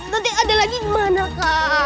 nanti ada lagi gimana kak